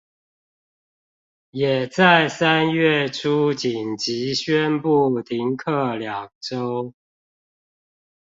也在三月初緊急宣布停課兩週